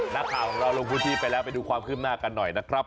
น้าข่าวเราลงพื้นที่ไปแล้วไปดูความขึ้นหน้ากันหน่อยครับ